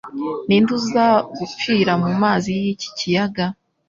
ninde uza gupfira mumazi yiki kiyaga